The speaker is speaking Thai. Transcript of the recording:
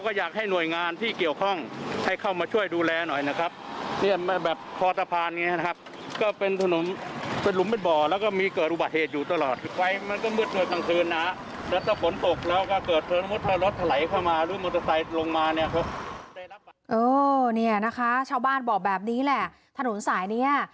เนี่ยนะคะชาวบ้านบอกแบบนี้แหละถนนสายนี้